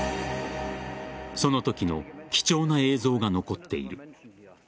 その時の貴重な映像が残っている。